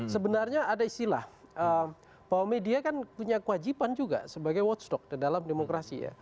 sebenarnya ada istilah bahwa media kan punya kewajiban juga sebagai watchdog dalam demokrasi ya